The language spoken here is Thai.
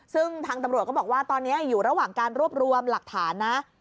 ซึ่งทางตำรวจก็บอกว่าตอนนี้อยู่ระหว่างการรวบรวมหลักฐานนะ